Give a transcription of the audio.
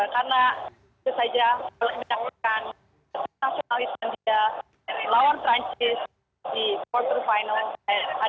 karena itu saja mengecewakan nasional islandia lawan francis di quarter final